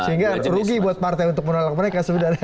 sehingga rugi buat partai untuk menolak mereka sebenarnya